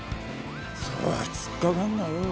そう突っかかんなよ。